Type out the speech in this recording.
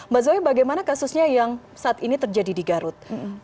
mbak zoy bagaimana kasusnya yang saat ini terjadi di garut